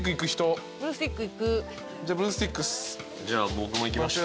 じゃあ僕も。